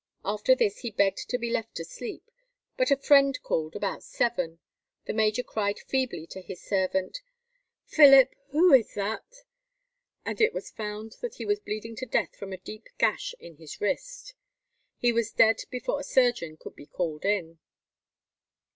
After this he begged to be left to sleep; but a friend called about seven: the major cried feebly to his servant, "Philip, who is that?" and it was found that he was bleeding to death from a deep gash in his wrist. He was dead before a surgeon could be called in.